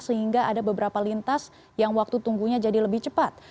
sehingga ada beberapa lintas yang waktu tunggunya jadi lebih cepat